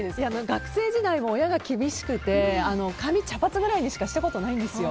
学生時代も親が厳しくて、茶髪ぐらいにしかしたことないんですよ。